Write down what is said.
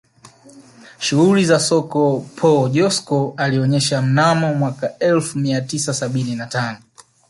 Shughuli za soko Paul Joskow alionyesha mnamo mwaka elfu mia tisa sabini na tano